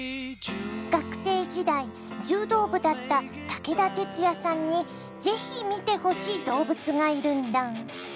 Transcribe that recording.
学生時代柔道部だった武田鉄矢さんに是非見てほしい動物がいるんだ。